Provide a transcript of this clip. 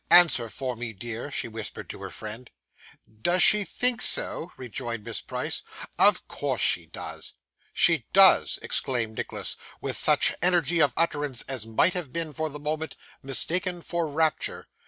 Answer for me, dear,' she whispered to her friend. 'Does she think so?' rejoined Miss Price; 'of course she does.' 'She does!' exclaimed Nicholas with such energy of utterance as might have been, for the moment, mistaken for rapture.